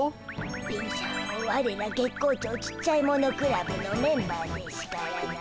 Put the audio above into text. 貧しゃんもワレら月光町ちっちゃいものクラブのメンバーでしゅからな。